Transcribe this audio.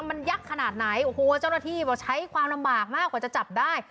มันยักษ์ขนาดไหนโอ้โหเจ้าหน้าที่บอกใช้ความลำบากมากกว่าจะจับได้